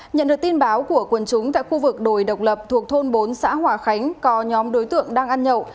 nhận được tin báo của quần chúng tại khu vực đồi độc lập thuộc thôn bốn xã hòa khánh có nhóm đối tượng đang ăn nhậu